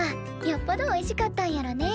よっぽどおいしかったんやろね。